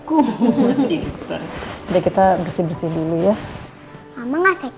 udah kita bersih bersih dulu ya